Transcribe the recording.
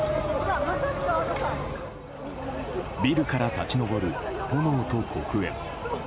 ビルから立ち上る、炎と黒煙。